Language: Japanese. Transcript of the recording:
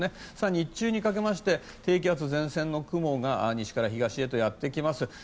日中にかけて低気圧の前線の雲が西から東にやってきます。